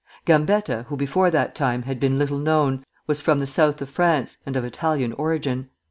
Gambetta, who before that time had been little known, was from the South of France, and of Italian origin.